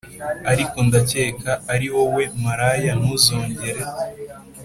Ariko ndakeka ariwowe maraya ntuzongere